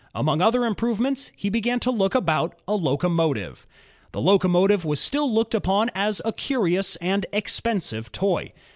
Among other improvements, he began to think about a locomotive. The locomotive was still looked upon as a curious and expensive toy.